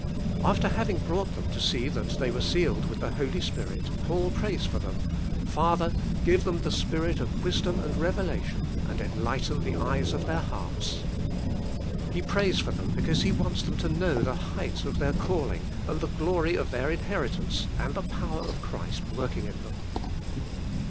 After hav ing brought them to see that they were sealed with the Holy Spirit, Paul prays for them, "Father, give them the spirit of wisdom and revelation, and en lighten the eyes of their hearts. " He pra^'s for them because he wants them to know the height of their calling and the glory of their inheritance and the power of Christ working in them.